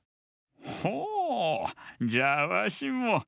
ほうじゃあわしも。